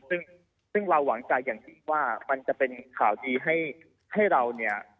ซึ่งซึ่งเราหวังจังอย่างนี่ว่ามันจะเป็นข่าวที่ให้ให้เราเนี่ย